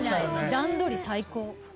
段取り最高。